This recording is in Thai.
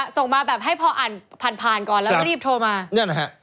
อ๋อส่งมาแบบให้พออ่านผ่านก่อนแล้วก็รีบโทรมา